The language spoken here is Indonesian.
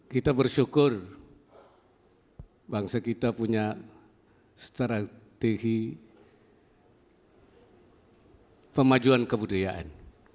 kita bersyukur bangsa kita punya strategi pemajuan kebudayaan